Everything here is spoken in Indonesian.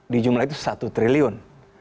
di jumlah itu satu triliun